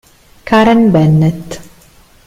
Karen Bennett